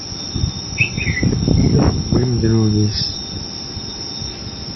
Tewwim ddnub-is.